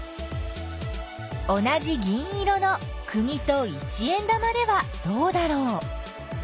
同じ銀色のくぎと一円玉ではどうだろう。